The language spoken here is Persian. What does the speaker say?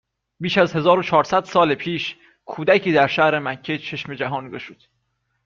بیش از هزار و چهار صد سال پیش کودکی در شهر مکه چشم به جهان گشود